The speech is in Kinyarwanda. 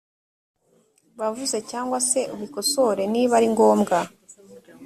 bavuze cyangwa se ubikosore niba ari ngombwa